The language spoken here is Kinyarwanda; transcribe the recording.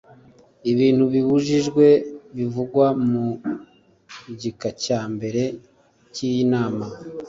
ibintu bibujijwe bivugwa mu gika cya mbere cy iyi nama